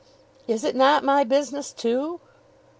"Is it not my business too?"